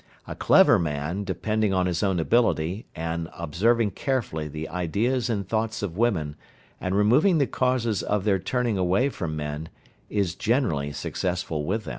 A clever man, depending on his own ability, and observing carefully the ideas and thoughts of women, and removing the causes of their turning away from men, is generally successful with them."